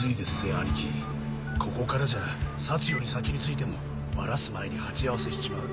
アニキここからじゃサツより先に着いてもバラす前に鉢合わせしちまう。